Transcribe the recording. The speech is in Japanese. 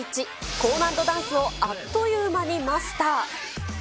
高難度ダンスをあっという間にマスター。